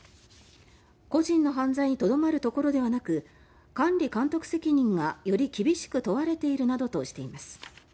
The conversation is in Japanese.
個人の犯罪にとどまるところではなく管理監督責任がより厳しく問われているなどとしています。